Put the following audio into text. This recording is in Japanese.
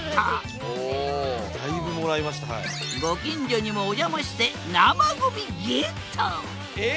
ご近所にもお邪魔して生ゴミゲット！え！